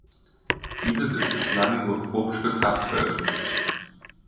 Dieses ist bislang nur bruchstückhaft veröffentlicht.